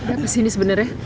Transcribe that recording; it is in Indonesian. apa sih ini sebenarnya